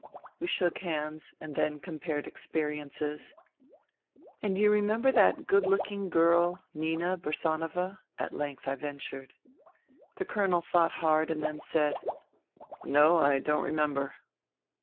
We shook hands, and then compared experiences. " And do you remember that good looking girl, Nina Bursanova ?" at length I ventured. The Colonel thought hard, and then said :" No, I don't remember."